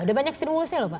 ada banyak stimulusnya lho pak